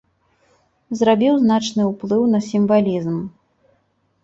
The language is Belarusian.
Зрабіў значны ўплыў на сімвалізм.